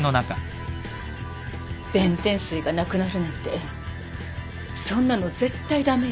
弁天水がなくなるなんてそんなの絶対駄目よ。